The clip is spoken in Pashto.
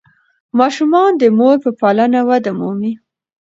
ماشومان د مور په پالنه وده مومي.